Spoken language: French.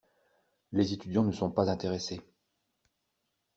Les étudiants ne sont pas intéressés.